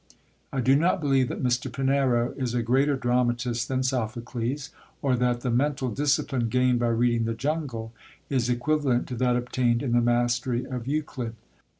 I do not believe that Mr. Pinero is a greater dramatist than Sophokles, or that the mental discipline gained by reading The Jungle is equivalent to that obtained in the mastery of Euclid.